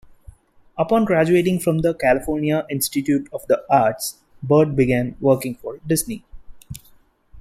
Upon graduating from the California Institute of the Arts, Bird began working for Disney.